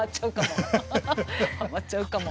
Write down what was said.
はまっちゃうかも。